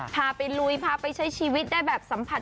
พาไปลุยพาไปใช้ชีวิตได้แบบสัมผัส